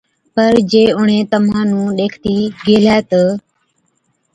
پَر جي اُڻهين تمهان نُون ڏيکتِي گيهلَي تہ،